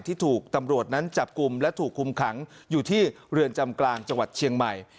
ที่ถูกตำรวจนั้นจับกลุ่มและถูกคุมขังอยู่ที่เรือนจำกลางจังหวัดเชียงใหม่